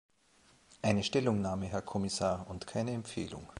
Eine Stellungnahme, Herr Kommissar, und keine Empfehlung.